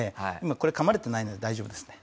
これ噛まれてないので大丈夫ですね。